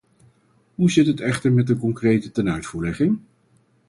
Hoe zit het echter met de concrete tenuitvoerlegging?